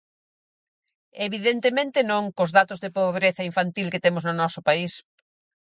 Evidentemente non, cos datos de pobreza infantil que temos no noso país.